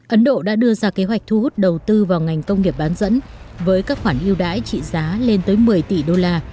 ấn độ đã đưa ra kế hoạch thu hút đầu tư vào ngành công nghiệp bán dẫn với các khoản yêu đái trị giá lên tới một mươi tỷ đô la